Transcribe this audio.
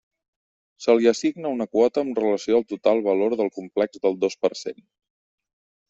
Se li assigna una quota amb relació al total valor del complex del dos per cent.